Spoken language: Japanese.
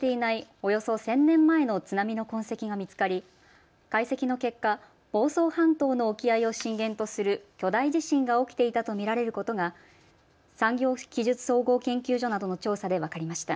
およそ１０００年前の津波の痕跡が見つかり解析の結果、房総半島の沖合を震源とする巨大地震が起きていたと見られることが産業技術総合研究所などの調査で分かりました。